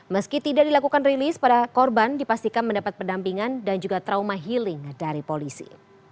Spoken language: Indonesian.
meski tidak dilakukan rilis para korban dipastikan mendapat pendampingan dan juga trauma healing dari polisi